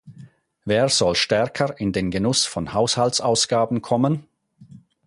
Wer soll stärker in den Genuss von Haushaltsausgaben kommen?